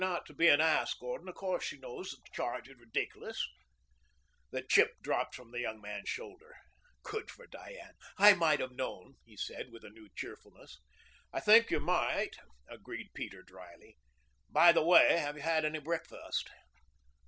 "Try not to be an ass, Gordon. Of course she knows the charge is ridiculous." The chip dropped from the young man's shoulder. "Good old Diane. I might have known," he said with a new cheerfulness. "I think you might have," agreed Peter dryly. "By the way, have you had any breakfast?"